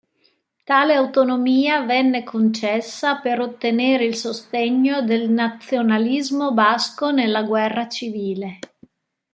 Tale autonomia venne concessa per ottenere il sostegno del nazionalismo basco nella guerra civile.